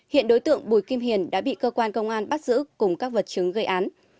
hiện đối tượng bùi kim hiền đã bị cơ quan công an bắt giữ cùng các vật chứng gây án